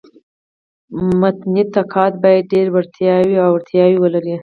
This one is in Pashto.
متني نقاد باید ډېري وړتیاوي او اړتیاوي ولري.